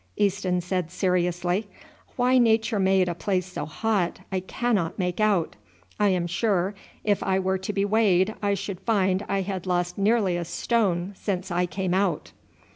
Easton said seriously. "Why nature made a place so hot, I cannot make out. I am sure if I were to be weighed I should find I had lost nearly a stone since I came out."